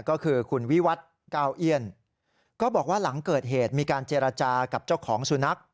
ก็คือคุณวิวัตรเก้าเอี้ยนก็บอกว่าหลังเกิดเหตุมีการเจรจากับเจ้าของสุนัข